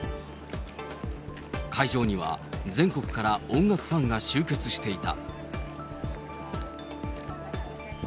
会場には、全国から音楽ファンが集結していた。